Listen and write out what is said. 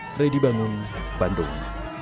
freddy bangun bandung